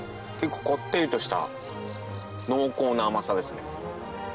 結構こってりとした濃厚な甘さですね。